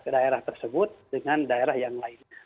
daerah tersebut dengan daerah yang lainnya